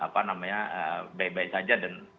baik baik saja dan